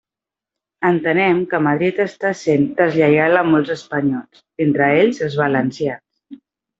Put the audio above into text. Entenem que Madrid està sent deslleial amb molts espanyols, entre ells els valencians.